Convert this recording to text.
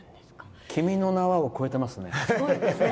「君の名は。」を超えてますね。